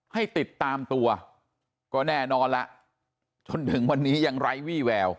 ให้ติดตามตัวก็แน่นอนแล้วจนถึงวันนี้ยังไร้วี่แวว